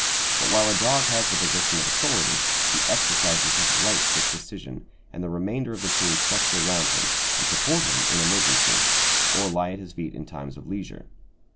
But while a dog has the position of authority, he exercises his rights with decision, and the remainder of the team cluster round him and support him in emergencies, or lie at his feet in times of leisure.